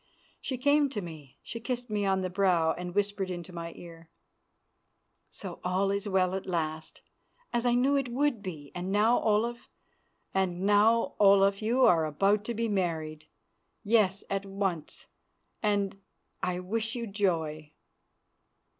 She came to me, she kissed me on the brow, and whispered into my ear, "So all is well at last, as I knew it would be; and now, Olaf and now, Olaf, you are about to be married. Yes, at once, and I wish you joy."